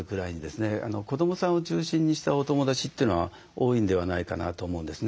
子どもさんを中心にしたお友だちというのは多いんではないかなと思うんですね。